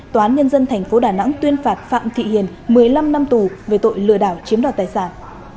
tòa án nhân dân tp đà nẵng tuyên phạt phạm thị hiền một mươi năm năm tù về tội lừa đảo chiếm đoạt tài sản